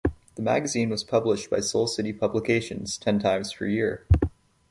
The magazine was published by Soul City Publications ten times per year.